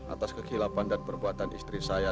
atas kekilapan dan perbuatan istri saya